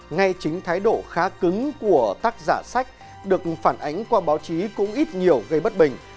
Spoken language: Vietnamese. ngay chính thái độ khá cứng của tác giả sách được phản ánh qua báo chí cũng ít nhiều gây bất bình